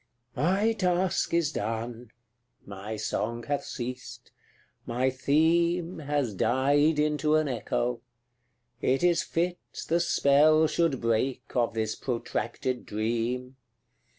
CLXXXV. My task is done my song hath ceased my theme Has died into an echo; it is fit The spell should break of this protracted dream.